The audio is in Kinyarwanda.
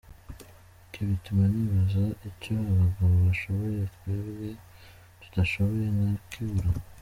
Ibyo bituma nibaza icyo abagabo bashoboye twebwe tudashoboye nkakibura.